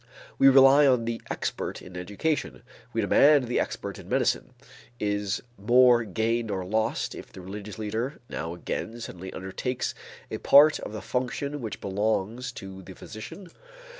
We rely on the expert in education, we demand the expert in medicine: is more gained or lost if the religious leader now again suddenly undertakes a part of the functions which belong to the physician?